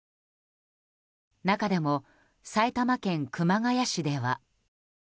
中でも埼玉県熊谷市では。